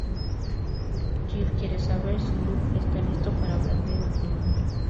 Jill quiere saber si Luke está listo para hablar de matrimonio.